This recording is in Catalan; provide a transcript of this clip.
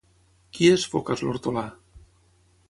Qui és Focas l'Hortolà?